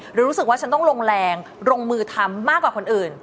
รู้สึกว่าฉันต้องลงแรงลงมือทำมากกว่าคนอื่น